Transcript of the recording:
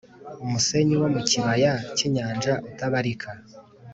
umusenyi wo mu kibaya cy inyanja utabarika